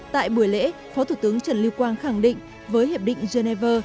tại buổi lễ phó thủ tướng trần lưu quang khẳng định với hiệp định geneva